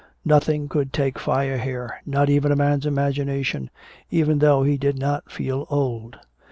Nothing could take fire here, not even a man's imagination, even though he did not feel old.